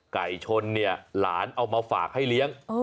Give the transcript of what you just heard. ไก่ชนเนี่ยหลานเอามาฝากให้เลี้ยง